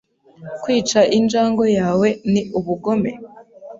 Kwica injangwe yawe ni ubugome?